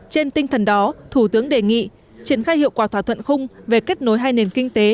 trên tinh thần đó thủ tướng đề nghị triển khai hiệu quả thỏa thuận khung về kết nối hai nền kinh tế